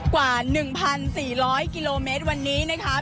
กว่า๑๔๐๐กิโลเมตรวันนี้นะคะ